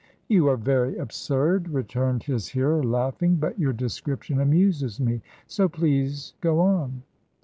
"You are very absurd," returned his hearer, laughing, "but your description amuses me, so please go on."